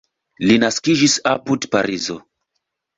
Li naskiĝis apud Parizo.